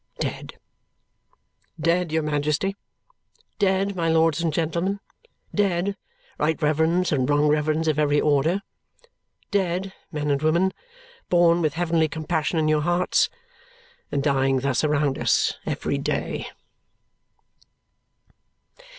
Dead! Dead, your Majesty. Dead, my lords and gentlemen. Dead, right reverends and wrong reverends of every order. Dead, men and women, born with heavenly compassion in your hearts. And dying thus around us every day.